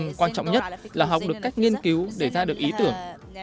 các dự án quan trọng nhất là học được cách nghiên cứu để ra được ý tưởng